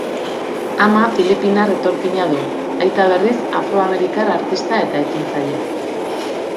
Ama filipinar etorkina du; aita, berriz, afro-amerikar artista eta ekintzailea.